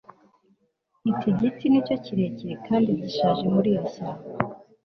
iki giti nicyo kirekire kandi gishaje muri iri shyamba